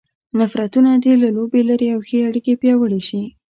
نفرتونه دې له لوبې لیرې او ښې اړیکې پیاوړې شي.